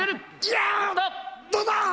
どうだ！